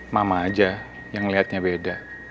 mama aja yang ngeliatnya beda